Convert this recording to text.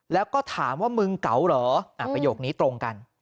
แล้วก็ถามว่ามึงเก๋าเหรอประโยคนี้ตรงกัน